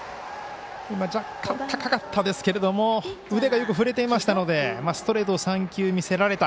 若干高かったですけれども腕がよく振れていましたのでストレートを３球見せられた。